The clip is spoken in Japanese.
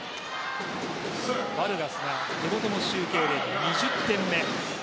バルガスが手元の集計で２０点目。